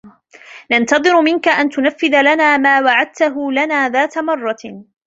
ننتظرُ منكَ أن تُنَفِّذَ لنا ما وعدتَه لنا ذات مرة.